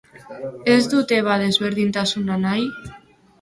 Ez dute ba berdintasuna nahi?